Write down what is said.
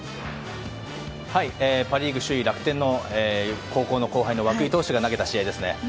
パ・リーグ首位、楽天の高校の後輩の涌井投手が投げた試合ですね。